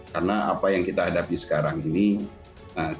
karena apa yang kita hadapi sekarang itu adalah kondisi ekonomi indonesia